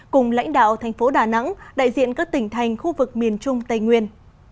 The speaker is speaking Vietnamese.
cùng lãnh đạo thành phố đà nẵng đại diện các tỉnh thành khu vực miền trung tây nguyên